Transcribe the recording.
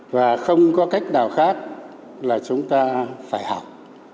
và không có cách nào khác là chúng ta phải học